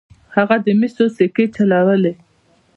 هغه د مسو سکې چلولې.